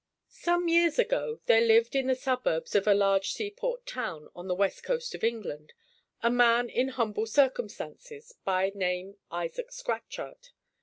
SOME years ago there lived in the suburbs of a large seaport town on the west coast of England a man in humble circumstances, by name Isaac Scatchard.